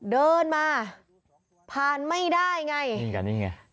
เดินมาผ่านไม่ได้ไง